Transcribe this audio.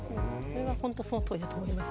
本当にそのとおりだと思います。